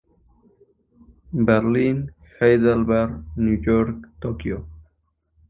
Berlín, Heidelberg, New York, Tokyo.